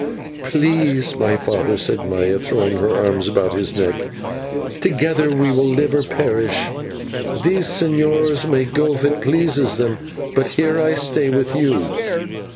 "Peace, my father," said Maya, throwing her arms about his neck, "together we will live or perish. These señors may go if it pleases them, but here I stay with you."